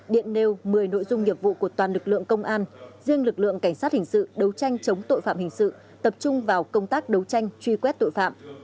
điện nêu một mươi nội dung nghiệp vụ của toàn lực lượng công an riêng lực lượng cảnh sát hình sự đấu tranh chống tội phạm hình sự tập trung vào công tác đấu tranh truy quét tội phạm